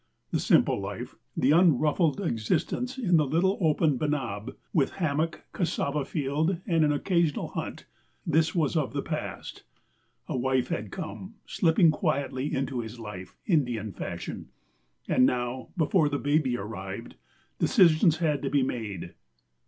The simple life, the unruffled existence in the little open benab, with hammock, cassava field, and an occasional hunt, this was of the past. A wife had come, slipping quietly into his life, Indian fashion; and now, before the baby arrived, decisions had to be made.